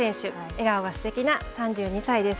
笑顔がすてきな３２歳です。